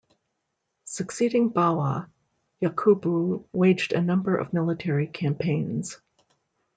Succeeding Bawa, Yakubu waged a number of military campaigns.